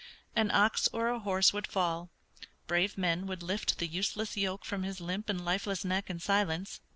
An ox or a horse would fall, brave men would lift the useless yoke from his limp and lifeless neck in silence.